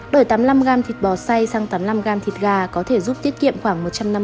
đổi tám mươi năm g thịt bò xay sang tám mươi năm g thịt gà có thể giúp tiết kiệm khoảng một trăm năm mươi calor